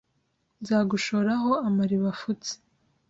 Nzagushora aho amariba afutse